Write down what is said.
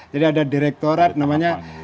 jadi ada direktorat namanya direktorat konservasi